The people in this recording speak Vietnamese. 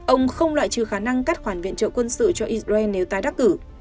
ông không loại trừ khả năng cắt khoản viện trợ quân sự cho israel nếu tái đắc cử